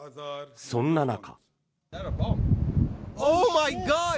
そんな中。